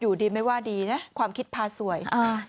อยู่ดีไม่ว่าดีนะความคิดพาสวย